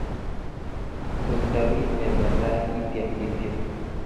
Agot ndawiit nebo tai, ityem kityo